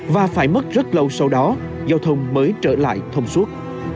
và phải mất rất lâu sau đó giao thông mới trở lại thông suốt